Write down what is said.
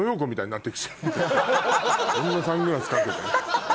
こんなサングラスかけて。